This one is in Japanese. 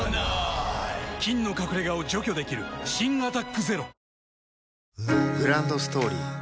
菌の隠れ家を除去できる新「アタック ＺＥＲＯ」グランドストーリー